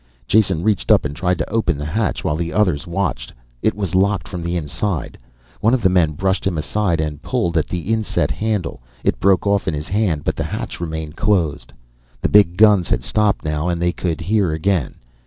Jason reached up and tried to open the hatch, while the others watched. It was locked from the inside. One of the men brushed him aside and pulled at the inset handle. It broke off in his hand but the hatch remained closed. The big guns had stopped now and they could hear again.